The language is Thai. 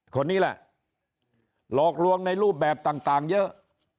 คนนี้แหละหลอกลวงในรูปแบบต่างเยอะ